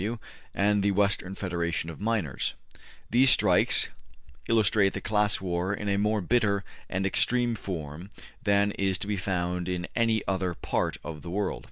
W. W. and the Western Federation of Miners. These strikes illustrate the class war in a more bitter and extreme form than is to be found in any other part of the world.